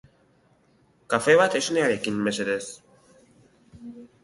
kafe bat esnearekin mesedez